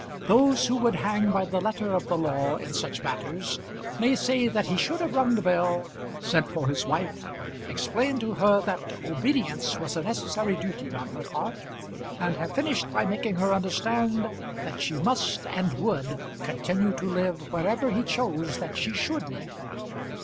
Those who would hang by the letter of the law in such matters may say that he should have rung the bell, sent for his wife, explained to her that obedience was a necessary duty on her part, and have finished by making her understand that she must and would continue to live wherever he chose that she should live.